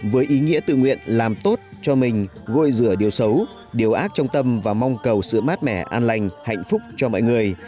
với ý nghĩa tự nguyện làm tốt cho mình gôi rửa điều xấu điều ác trong tâm và mong cầu sự mát mẻ an lành hạnh phúc cho mọi người